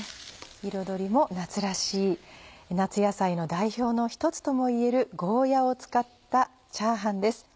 彩りも夏らしい夏野菜の代表の一つともいえるゴーヤを使ったチャーハンです。